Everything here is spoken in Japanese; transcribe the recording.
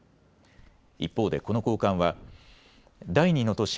一方でこの高官は第２の都市